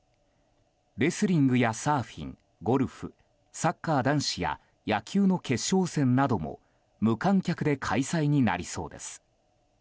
レスリングやサーフィン、ゴルフサッカー男子や野球の決勝戦なども無観客で開催になりそうです。